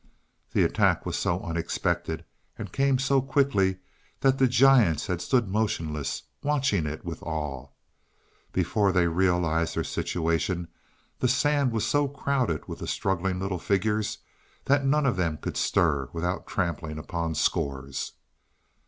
The attack was so unexpected, and came so quickly that the giants had stood motionless, watching it with awe. Before they realized their situation the sand was so crowded with the struggling little figures that none of them could stir without trampling upon scores.